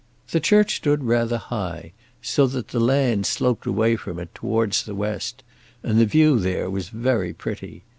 The church stood rather high, so that the land sloped away from it towards the west, and the view there was very pretty.